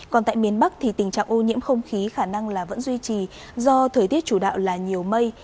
còn tại miền bắc thì tình trạng ô nhiễm không khí khả năng là vẫn duy trì do thời tiết chủ đạo là nhiều mây